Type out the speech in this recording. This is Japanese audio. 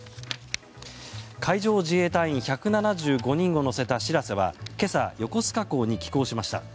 海上自衛隊員１７５人を乗せた「しらせ」は今朝、横須賀港に帰港しました。